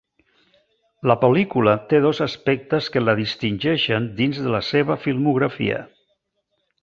La pel·lícula té dos aspectes que la distingeixen dins de la seva filmografia.